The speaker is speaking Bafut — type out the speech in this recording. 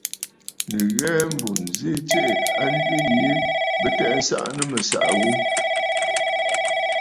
Nɨ ghɛɛ, mbù ǹzi tsiʼǐ a njwi yìi bɨ tɛ'ɛ nsaʼa nɨ mɨ̀saʼa ghu aà.